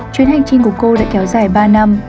chuyến hành trình của cô đã kéo dài ba năm